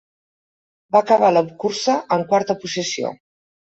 Va acabar la cursa en quarta posició.